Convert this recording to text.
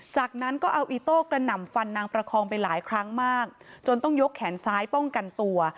จากนั้นก็เอาอีโต้กระหน่ำฟันนางประคองไปหลายครั้งมากจนต้องยกแขนซ้ายป้องกันตัว